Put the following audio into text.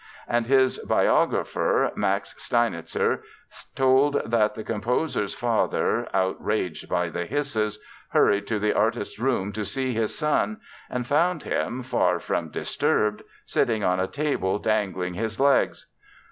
And his biographer, Max Steinitzer, told that the composer's father, outraged by the hisses, hurried to the artist's room to see his son and found him, far from disturbed, sitting on a table dangling his legs!